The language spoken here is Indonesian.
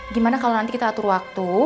gimana kalau nanti kita atur waktu